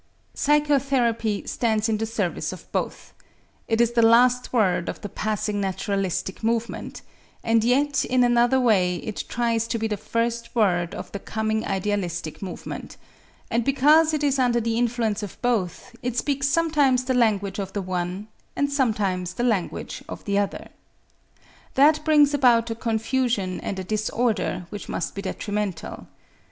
Psychotherapy stands in the service of both; it is the last word of the passing naturalistic movement, and yet in another way it tries to be the first word of the coming idealistic movement; and because it is under the influence of both, it speaks sometimes the language of the one, and sometimes the language of the other. That brings about a confusion and a disorder which must be detrimental.